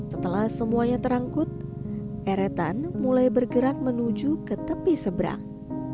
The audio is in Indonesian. setelah semuanya terangkut eretan mulai bergerak menuju ke tepi seberang